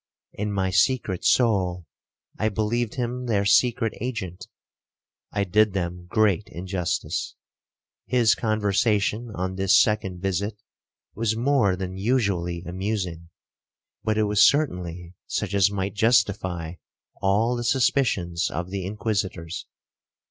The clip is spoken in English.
In my secret soul I believed him their secret agent,—I did them great injustice. His conversation on this second visit was more than usually amusing, but it was certainly such as might justify all the suspicions of the Inquisitors.